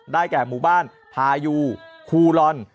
แก่หมู่บ้านพายูคูลอน